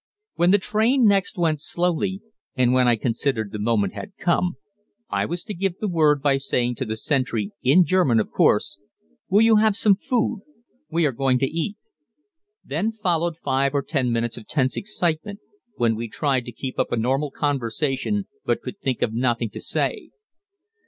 When the train next went slowly, and when I considered the moment had come, I was to give the word by saying to the sentry, in German of course, "Will you have some food? we are going to eat." Then followed five or ten minutes of tense excitement, when we tried to keep up a normal conversation but could think of nothing to say.